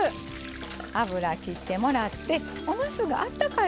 油切ってもらっておなすがあったかい